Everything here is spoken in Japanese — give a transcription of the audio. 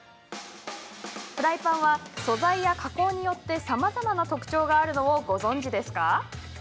フライパンは素材や加工によってさまざまな特徴があるのをご存じですか？